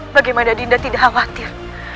bagaimana dinda tidak khawatir